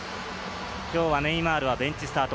きょうはネイマールはベンチスタート。